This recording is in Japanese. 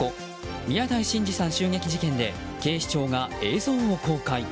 宮台真司さん襲撃事件で警視庁が映像を公開。